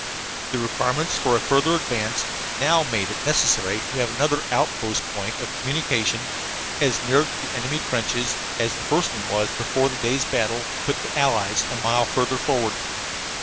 The requirements for a further advance now made it necessary to have another outpost point of communication as near to the enemy trenches as the first one was before the day's battle put the Allies a mile further forward.